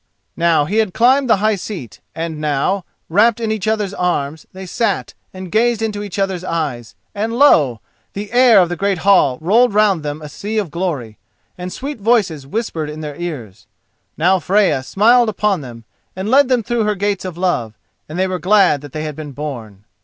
Now he had climbed the high seat, and now, wrapped in each other's arms, they sat and gazed into each other's eyes, and lo! the air of the great hall rolled round them a sea of glory, and sweet voices whispered in their ears. Now Freya smiled upon them and led them through her gates of love, and they were glad that they had been born.